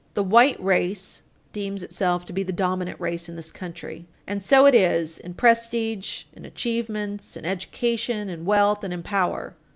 The white race deems itself to be the dominant race in this country. And so it is in prestige, in achievements, in education, in wealth and in power.